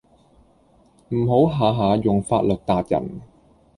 唔好下下用法律撻人